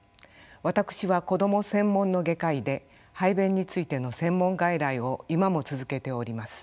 私は子ども専門の外科医で排便についての専門外来を今も続けております。